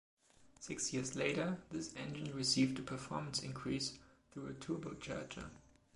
Six years later, this engine received a performance increase through a turbocharger.